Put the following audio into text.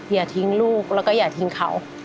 อย่าทิ้งลูกแล้วก็อย่าทิ้งเขา